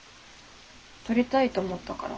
撮りたいと思ったから。